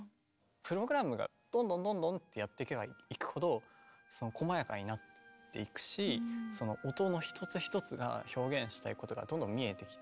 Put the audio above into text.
プログラムがどんどんどんどんってやっていけばいくほどこまやかになっていくし音の一つ一つが表現したいことがどんどん見えてきて。